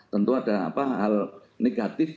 tentu ada hal negatif